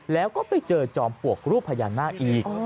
แล้วก็ไปเจอจอมปลวกรูปพญานาคอีก